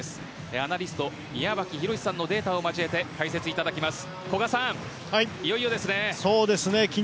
アナリスト・宮脇裕史さんのデータを交えて解説いただきます。